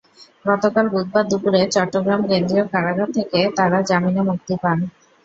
গতকাল বুধবার দুপুরে চট্টগ্রাম কেন্দ্রীয় কারাগার থেকে তাঁরা জামিনে মুক্তি পান।